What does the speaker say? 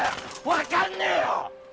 分かんねえよ！